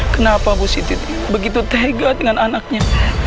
kenapa bu siti begitu tega dengan anaknya